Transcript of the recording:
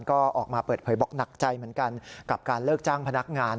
ก็ออกมาเปิดเผยบอกหนักใจเหมือนกันกับการเลิกจ้างพนักงาน